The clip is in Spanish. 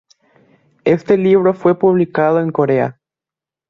Este libro fue publicado en Corea.